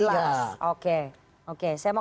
jelas oke oke saya mau